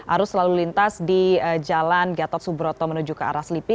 arus lalu lintas di jalan gatot subroto menuju ke arah selipi